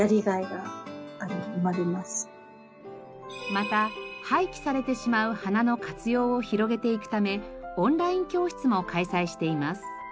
また廃棄されてしまう花の活用を広げていくためオンライン教室も開催しています。